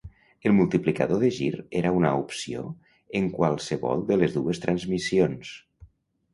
El multiplicador de gir era una opció en qualsevol de les dues transmissions.